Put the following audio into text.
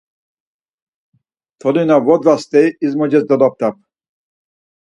Toli na vodva steri izmoces doloblap.